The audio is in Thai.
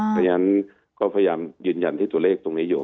เพราะฉะนั้นก็พยายามยืนยันที่ตัวเลขตรงนี้อยู่